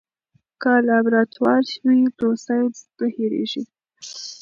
که لابراتوار وي نو ساینس نه هېریږي.